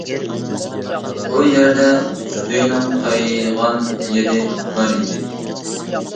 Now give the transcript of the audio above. بۇ يەردە سۈيىنىڭ قايغان يېرى بار ئىدى.